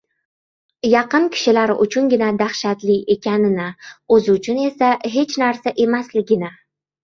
yaqin kishilari uchungina dahshatli ekanini, o‘zi uchun esa hech narsa emasligini